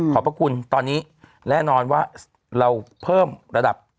พระคุณตอนนี้แน่นอนว่าเราเพิ่มระดับ